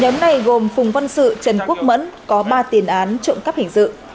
nhóm này gồm phùng văn sự trần quốc mẫn có ba tiền án trộm cắp hình dự